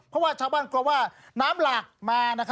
เพราะว่าชาวบ้านกลัวว่าน้ำหลากมา